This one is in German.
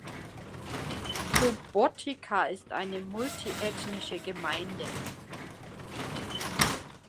Subotica ist eine multiethnische Gemeinde.